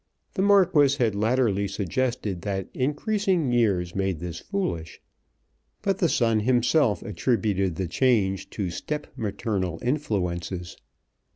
The Marquis had latterly suggested that increasing years made this foolish; but the son himself attributed the change to step maternal influences.